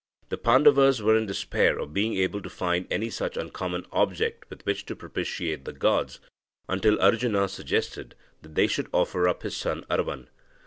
The Pandavas were in despair of being able to find any such uncommon object with which to propitiate the gods, until Arjuna suggested that they should offer up his son Aravan.